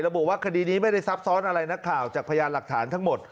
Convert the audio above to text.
บอกว่าคดีนี้ไม่ได้ซับซ้อนอะไรนักข่าวจากพยานหลักฐานทั้งหมด